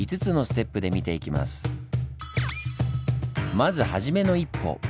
まずはじめの一歩。